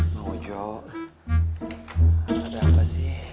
mau jo ada apa sih